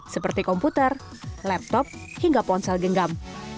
seperti komputer laptop hingga ponsel genggam